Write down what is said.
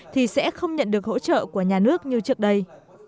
thì sẽ không nhận được hỗ trợ của nhà nước như trước đây